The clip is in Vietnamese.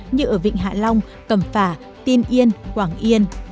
như ở vịnh hạ long cầm phả tiên yên quảng yên